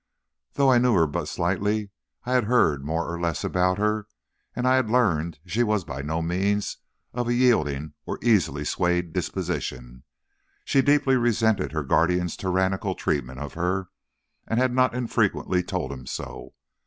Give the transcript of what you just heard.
Though I knew her but slightly, I had heard more or less about her, and I had learned she was by no means of a yielding or easily swayed disposition. She deeply resented her guardian's tyrannical treatment of her and had not infrequently told him so.